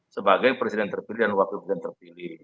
sebagai presiden terpilih dan wakil presiden terpilih